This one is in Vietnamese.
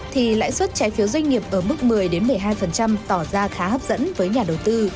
thì lãi suất trái phiếu doanh nghiệp ở mức một mươi đến một mươi hai phần trăm tỏ ra khá hấp dẫn với nhà đầu tư